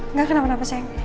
nggak kenapa kenapa sayang